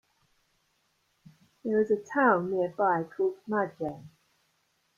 There's a town nearby called Majan.